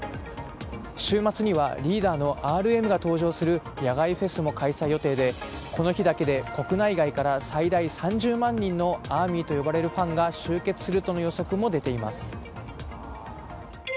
週末にはリーダーのＲＭが登場する野外フェスも開催予定でこの日だけで国内外から最大３０万人のアーミーと呼ばれるファンが集結するとの予測も出ています。